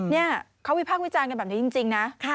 นี่เขาวิพากษ์วิจารณ์กันแบบนี้จริงนะ